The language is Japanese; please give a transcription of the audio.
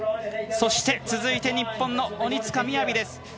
そして続いて日本の鬼塚雅です。